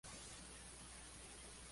Su repertorio fue amplio.